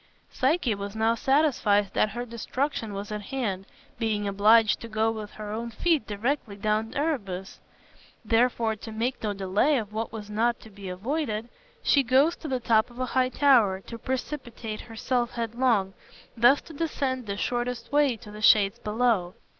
Psyche was now satisfied that her destruction was at hand, being obliged to go with her own feet directly down to Erebus. Wherefore, to make no delay of what was not to be avoided, she goes to the top of a high tower to precipitate herself headlong, thus to descend the shortest way to the shades below.